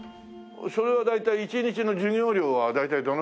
それは大体１日の授業料は大体どのくらいなの？